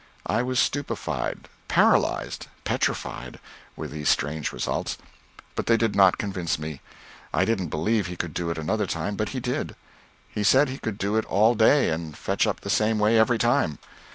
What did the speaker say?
I was stupefied, paralyzed, petrified, with these strange results, but they did not convince me. I didn't believe he could do it another time, but he did. He said he could do it all day, and fetch up the same way every time.